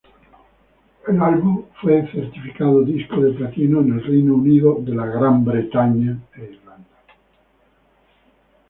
El álbum fue certificado disco de platino en el Reino Unido e Irlanda.